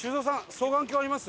双眼鏡あります？